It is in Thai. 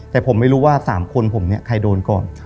แต่ผมไม่รู้ว่า๓คนผมเนี่ยใครโดนก่อน